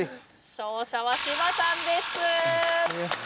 勝者は芝さんです。